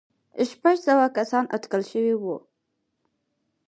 شپږ سوه کسان اټکل شوي وو.